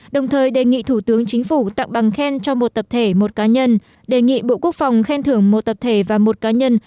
đồng thời đề nghị thủ tướng chính phủ tặng bằng khen cho một tập thể một cá nhân đề nghị bộ quốc phòng khen thưởng một tập thể và một cá nhân